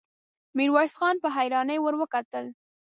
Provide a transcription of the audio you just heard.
ميرويس خان په حيرانۍ ور وکتل.